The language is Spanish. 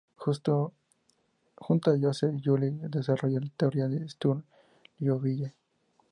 Junto a Joseph Liouville, desarrolló la teoría Sturm–Liouville.